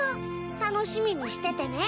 たのしみにしててね。